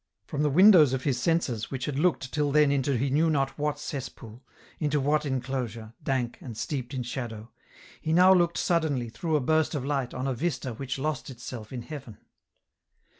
From the windows of his senses which had looked till then into he knew not what cess pool, into what enclosure, dank, and steeped in shadow ; he now looked suddenly, through a burst of light, on a vista which lost itself in heaven.